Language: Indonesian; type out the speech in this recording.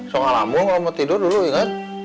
sok ngelamun mau tidur dulu ya kan